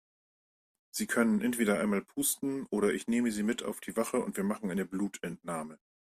Sie können entweder einmal pusten oder ich nehme Sie mit auf die Wache und wir machen eine Blutentnahme.